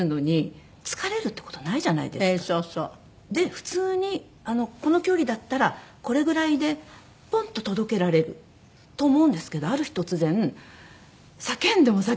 普通にこの距離だったらこれぐらいでポンッと届けられると思うんですけどある日突然叫んでも叫んでも届かない気がするんです。